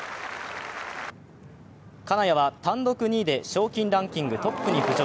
金谷は単独２位で賞金ランキングトップに浮上。